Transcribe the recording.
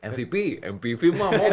mpv mpv mah